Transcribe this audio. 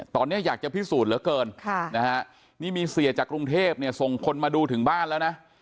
ตอนนี้อยากจะพิสูจน์เหลือเกินนี่มีเสียจากกรุงเทพเนี่ยส่งคนมาดูถึงบ้านแล้วนะ